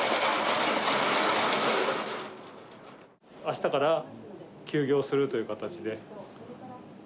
あしたから休業するという形で。